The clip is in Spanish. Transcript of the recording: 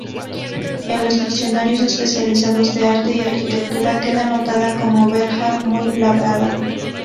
En los diccionarios especializados de arte y arquitectura queda anotada como "verja muy labrada".